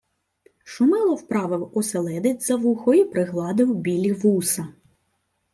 Шумило вправив оселедець за вухо й пригладив білі вуса.